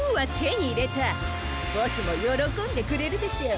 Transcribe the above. ボスもよろこんでくれるでしょう。